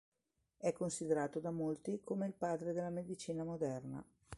È considerato da molti come "il padre della medicina moderna".